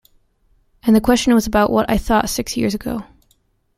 And the question was about what I thought six years ago.